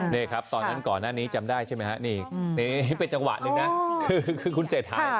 เล็กครับตอนอันก่อนแล้วนี้จำได้ใช่ไหมนี่เป็นจังหวะคุณเสธ